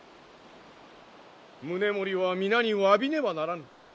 宗盛は皆にわびねばならぬ。